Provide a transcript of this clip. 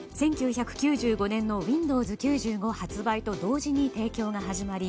１９９５年のウィンドウズ９５発売と同時に提供が始まり